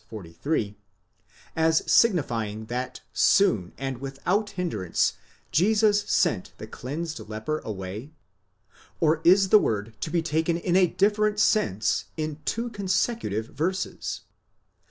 43), as signifying that soon and without hindrance Jesus sent the cleansed leper away? Or is the word to be taken in a different sense in two consecutive verses